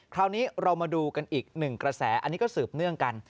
คราวนี้เรามาดูกันอีกหนึ่งกระแสอันนี้ก็สืบเนื่องกัน